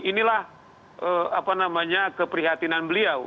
inilah keprihatinan beliau